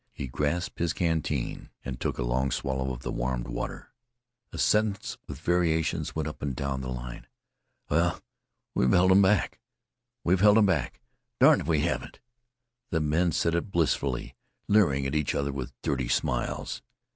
He grasped his canteen and took a long swallow of the warmed water. A sentence with variations went up and down the line. "Well, we 've helt 'em back. We 've helt 'em back; derned if we haven't." The men said it blissfully, leering at each other with dirty smiles.